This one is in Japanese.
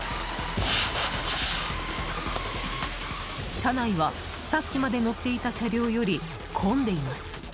車内は、さっきまで乗っていた車両より混んでいます。